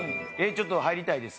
ちょっと入りたいです。